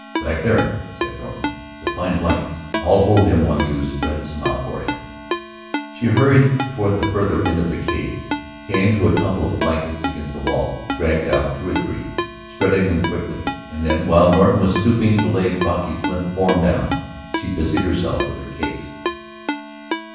"Back there," said Norton, "you'll find blankets. I'll hold him while you spread some out for him." She hurried toward the farther end of the cave, came to a tumble of blankets against the wall, dragged out two or three, spreading them quickly. And then, while Norton was stooping to lay Brocky's limp form down, she busied herself with her case.